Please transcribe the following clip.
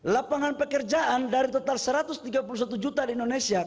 lapangan pekerjaan dari total satu ratus tiga puluh satu juta di indonesia